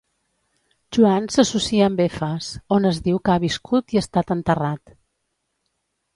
Joan s'associa amb Efes, on es diu que ha viscut i estat enterrat.